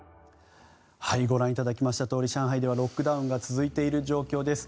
ご覧いただきましたとおり上海ではロックダウンが続いている状況です。